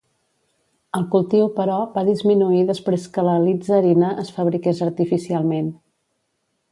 El cultiu, però, va disminuir després que l'alitzarina es fabriqués artificialment.